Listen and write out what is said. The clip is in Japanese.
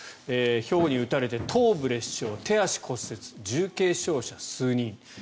ひょうに打たれて頭部裂傷、手足骨折重軽傷者数人。